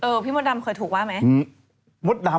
พี่มดดำเคยถูกว่าไหม